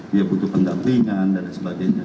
dia butuh pendampingan dan sebagainya